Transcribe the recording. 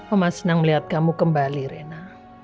oma senang melihat kamu kembali rena